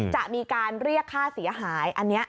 จะมีการเรียกค่าเสียหายอันนี้